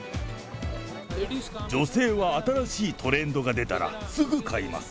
女性は新しいトレンドが出たら、すぐ買います。